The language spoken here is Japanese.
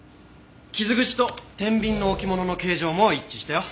傷口と天秤の置物の形状も一致したよ。